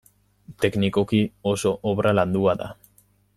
Teknikoki oso obra landua da.